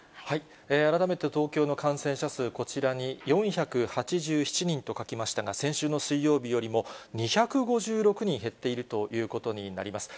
改めて東京の感染者数、こちらに４８７人と書きましたが、先週の水曜日よりも２５６人減っているということになります。